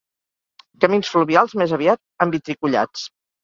Camins fluvials més aviat envitricollats.